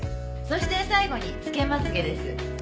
そして最後につけまつ毛です。